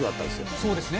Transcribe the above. そうですね。